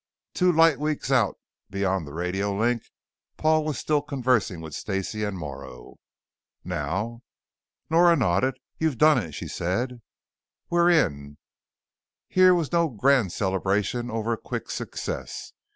Two light weeks out beyond the radio link, Paul was still conversing with Stacey and Morrow. "Now?" Nora nodded. "You've done it," she said. "We're in." Here was no grand celebration over a quick success.